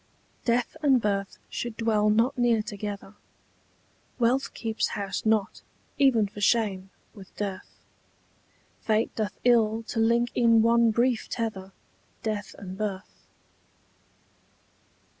DEATH and birth should dwell not near together: Wealth keeps house not, even for shame, with dearth: Fate doth ill to link in one brief tether Death and birth.